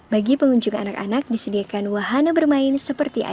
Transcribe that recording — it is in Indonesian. bagi pengunjung anak anak disediakan wahana bermain seperti icu